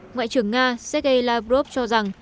ngoại trưởng nga sergei lavrov cho rằng